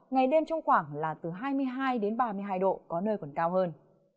ngày đêm trong khoảng là từ hai mươi hai đến ba mươi hai độ có nơi còn cao hơn